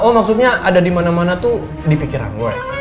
oh maksudnya ada dimana mana tuh di pikiran gue